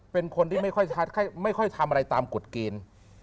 เป็นคนที่ไม่ค่อยทำอะไรตามกฎเกณฑ์